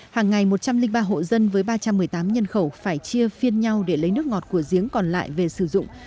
hàng ngày một trăm linh ba hộ dân với ba trăm một mươi tám nhân khẩu phải chia phiên nhau để lấy nước ngọt của giếng còn lại về sử dụng